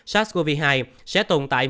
sars cov hai sẽ tồn tại